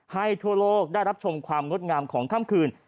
ทั่วโลกได้รับชมความงดงามของค่ำคืน